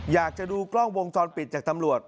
อยากจะดูกล้องวงจรปิดจากตำรวจ